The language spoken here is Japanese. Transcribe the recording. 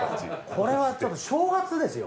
これはちょっと正月ですよ